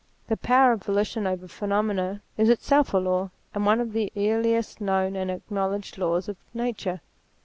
The power of volitions over phenomena is itself a law, and one of the earliest known and acknowledged laws of nature.